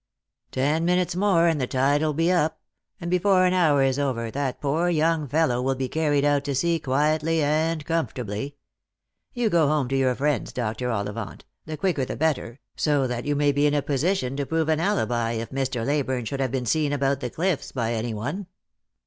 Ten minutes more, and the tide will be up ; and before an hour is over, that poor young fellow will be carried out to sea quietly and comfort ably. You go home to your friends, Dr. Ollivant, the quicker the better, so that you may be in a position to prove an alibi if Mr. Leyburne should have been seen about the cliffs by any one."